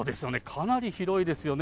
かなり広いですよね。